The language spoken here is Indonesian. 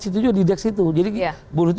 situ juga di deks itu jadi buruh itu